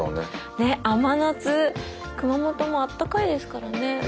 甘夏熊本もあったかいですからね。